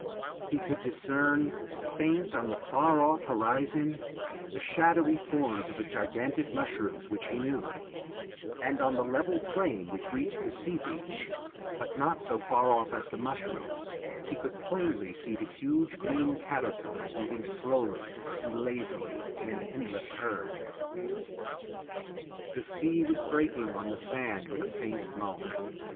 He could discern, faint on the far off horizon, the shadowy forms of the gigantic mushrooms which he knew, and on the level plain which reached the sea beach, but not so far off as the mushrooms, he could plainly see the huge green caterpillars moving slowly and lazily in an endless herd. The sea was breaking on the sand with a faint moan.